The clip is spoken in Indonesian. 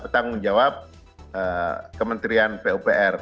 tangan menjawab kementerian pupr